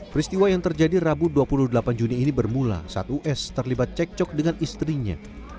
peristiwa yang terjadi rabu dua puluh delapan juni ini bermula saat us terlibat cekcok dengan istrinya